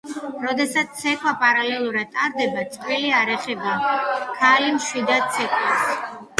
როდესაც ცეკვა პარალელურად ტარდება, წყვილი არ ეხება; ქალი მშვიდად ცეკვავს.